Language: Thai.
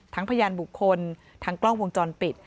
พยานบุคคลทั้งกล้องวงจรปิด